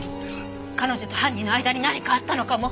彼女と犯人の間に何かあったのかも。